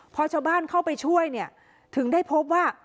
พอชาวบ้านเข้าไปช่วยเนี่ยถึงได้พบว่า